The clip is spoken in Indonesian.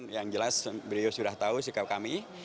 yang jelas beliau sudah tahu sikap kami